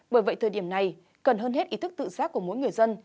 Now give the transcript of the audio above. bởi vậy thời điểm này cần hơn hết ý thức tự giác của mỗi người dân